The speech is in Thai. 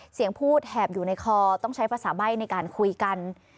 เสียงพูดแหบอยู่ในคอต้องใช้ภาษาใบ้ในการคุยกัน